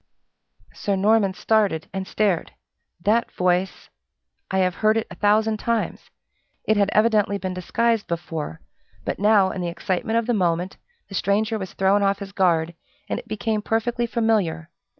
Sir Norman started and stared. That voice! I have had heard it a thousand times! It had evidently been disguised before; but now, in the excitement of the moment, the stranger was thrown off his guard, and it became perfectly familiar.